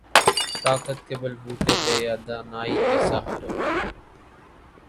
طاقت کے بل بوتے پہ یا دانائی کے سہارے۔